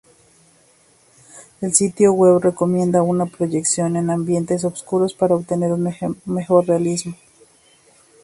El sitio web recomienda una proyección en ambientes oscuros para obtener un mejor realismo.